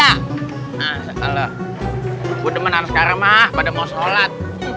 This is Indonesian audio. nah setelah budu menang sekarang mah pada mau sholat